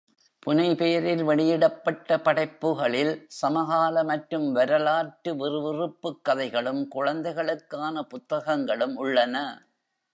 புனைபெயரில் வெளியிடப்பட்ட படைப்புகளில் சமகால மற்றும் வரலாற்று விறுவிறுப்புக் கதைகளும் குழந்தைகளுக்கான புத்தகங்களும் உள்ளன.